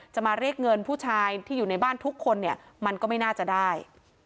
จะมาเรียกเงินผู้ชายที่อยู่ในบ้านทุกคนเนี่ยมันก็ไม่น่าจะได้